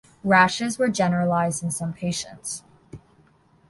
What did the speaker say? Rashes were generalized in some patients.